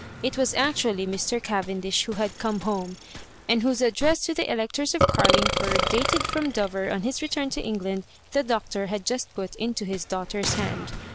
It was actually Mr. Cavendish who had come home, and ithose address to the electors of Carlingford, dated from Dover on his return to England, the Doctor had just put into his daugh ter's hand.